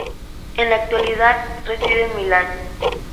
En la actualidad, reside en Milán.